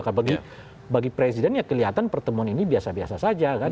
karena bagi presiden ya kelihatan pertemuan ini biasa biasa saja kan